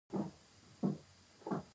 ځکه هغه باید اضافي ګټه ځمکوال ته ورکړي